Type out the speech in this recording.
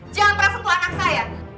jangan perasa ku anak saya